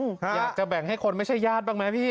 อยากจะแบ่งให้คนไม่ใช่ญาติบ้างไหมพี่